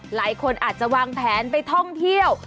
หลายคนอาจจะวางแผนไปท่องเที่ยว